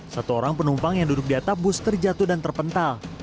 satu orang penumpang yang duduk di atap bus terjatuh dan terpental